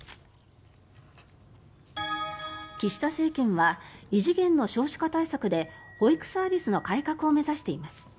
岸田政権は異次元の少子化対策で保育サービスの改革を目指しています。